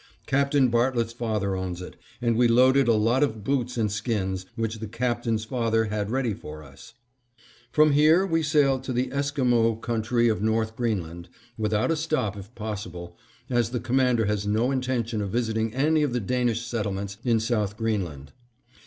Captain Bartlett's father owns it, and we loaded a lot of boots and skins, which the Captain's father had ready for us. From here we sail to the Esquimo country of North Greenland, without a stop if possible, as the Commander has no intention of visiting any of the Danish settlements in South Greenland.